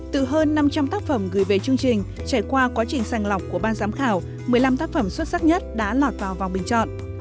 từ hơn năm trăm linh tác phẩm gửi về chương trình trải qua quá trình sàng lọc của ban giám khảo một mươi năm tác phẩm xuất sắc nhất đã lọt vào vòng bình chọn